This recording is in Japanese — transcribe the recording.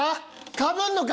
かぶんのか？